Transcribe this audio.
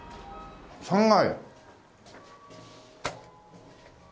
３階。